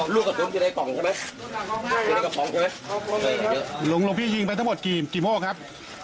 ลูกกระตุ๋นจะได้กล่องใช่ไหมลูกพี่ยิงไปทั้งหมดกี่กี่โม่ครับ